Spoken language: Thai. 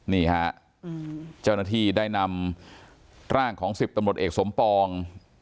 นี่ฮะเจ้าหน้าที่ได้นำร่างของ๑๐ตำรวจเอกสมปอง